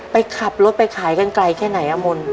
ไปขับรถไปขายกันไกลแค่ไหนอะมนต์